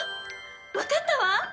わかったわ！